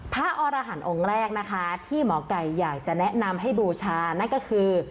อรหันต์องค์แรกนะคะที่หมอไก่อยากจะแนะนำให้บูชานั่นก็คือ